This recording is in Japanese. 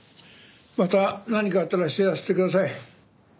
また何かあったら知らせてください。